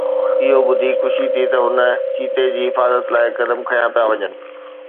اهو ٻڌي خوشي ٿي ته هن چيتي جي حفاظت لاءِ قدم کنيا پيا وڃن